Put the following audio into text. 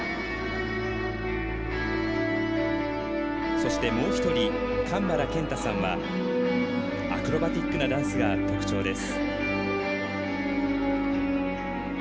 そしてもう１人かんばらけんたさんはアクロバティックなダンスが特徴です。